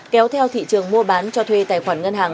kéo theo thị trường mua bán cho thuê tài khoản ngân hàng